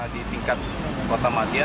di tingkat kota madya